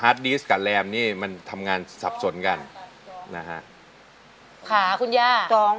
ฮาร์ทดีสกับแรมนี่มันทำงานสับสนกันนะฮะขาคุณย่า